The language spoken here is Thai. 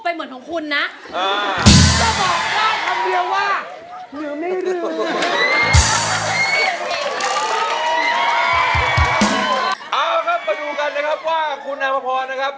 เอ้าครับไปดูกันนะครับว่าคุณอพศนะครับ